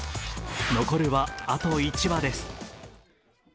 残るはあと１羽です。